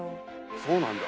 そうなんだ